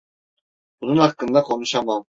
Bunun hakkında konuşamam.